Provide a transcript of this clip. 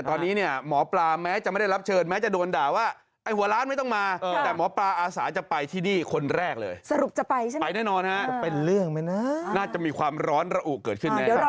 แค่มาเดินที่ท่าพระจันทร์ก็ซื้อได้แล้ว